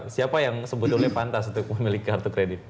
siapa yang sebetulnya pantas untuk memiliki kartu kredit